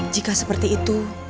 jika seperti itu